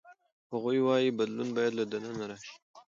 هغه وايي بدلون باید له دننه راشي.